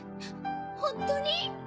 ホントに？